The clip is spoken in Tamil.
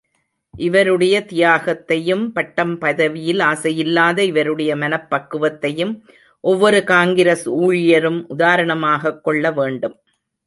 இவருடைய தியாகத்தையும், பட்டம் பதவியில் ஆசையில்லாத இவருடையமனப் பக்குவத்தையும் ஒவ்வொரு காங்கிரஸ் ஊழியரும் உதாரணமாகக் கொள்ள வேண்டும்.